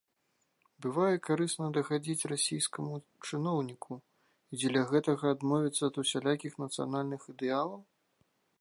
Бывае карысна дагадзіць расійскаму чыноўніку, і дзеля гэтага адмовіцца ад усялякіх нацыянальных ідэалаў?